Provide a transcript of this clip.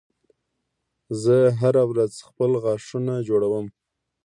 زه هره ورځ خپل غاښونه جوړوم